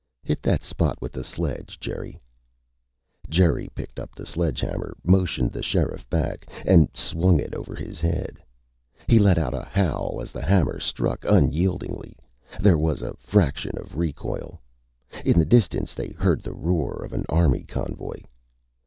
"Hit that spot with the sledge, Jerry." Jerry picked up the sledgehammer, motioned the sheriff back, and swung it over his head. He let out a howl as the hammer struck unyieldingly. There wasn't a fraction of recoil. In the distance they heard the roar of an Army convoy.